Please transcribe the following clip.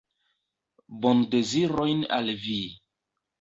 Bondezirojn al vi!